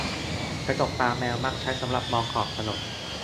กระจกตาแมวมักใช้สำหรับมองขอบถนน